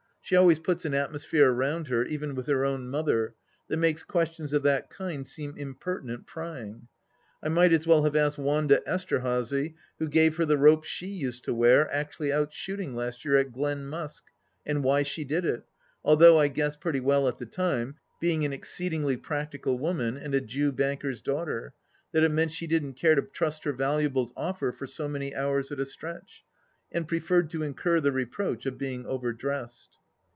She always puts an atmosphere round her, even with her own mother, that makes questions of that kind seem impertinent prying ! I might as well have asked Wanda Esterhazy who gave her the ropes she used to wear actually out shooting last year at Glen Musk, and why she did it, although I guessed pretty well at the time, being an exceedingly practical woman and a Jew banker's daughter, that it meant she didn't care to trust her valuables off her for so many hours at a stretch, and preferred to incur the reproach of being overdressed.